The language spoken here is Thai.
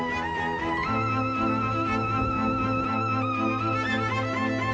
ทุกคนพร้อมแล้วขอเสียงปลุ่มมือต้อนรับ๑๒สาวงามในชุดราตรีได้เลยค่ะ